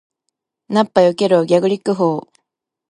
ナッパ避けろー！ギャリック砲ー！